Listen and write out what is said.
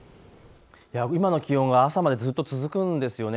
今の気温が朝までずっと続くんです。